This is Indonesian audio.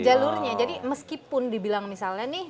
jalurnya jadi meskipun dibilang misalnya nih